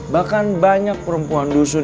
bahkan banyak perempuan dusun